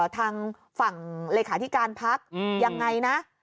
ทางฝั่งเลขาธิการพักยังไงนะ